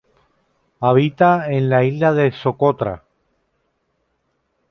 Habita en la isla de Socotra.